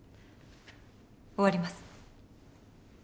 終わります。